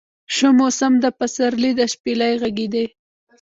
شو موسم د پسرلي د شپیلۍ غږدی